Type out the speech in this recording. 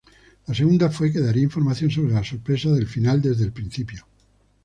La segunda fue que daría información sobre la sorpresa del final desde el principio.